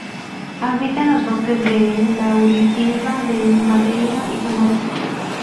Habita en los bosques de laurisilva de Madeira y Canarias.